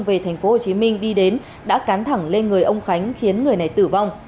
về thành phố hồ chí minh đi đến đã cán thẳng lên người ông khánh khiến người này tử vong